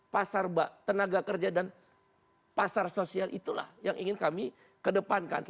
pasar tenaga kerja dan pasar sosial itulah yang ingin kami kedepankan